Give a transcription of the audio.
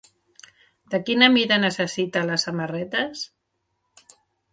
De quina mida necessita les samarretes?